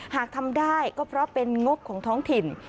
หากทำได้ก็เพราะเป็นงบของท้องถิ่น